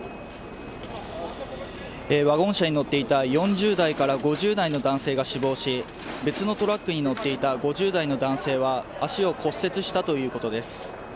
ワゴン車に乗っていた４０代から５０代の男性が死亡し、別のトラックに乗っていた５０代の男性は足を骨折したということです。